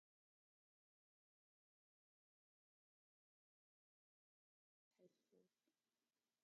Evening classes were also held at several Austin public high schools.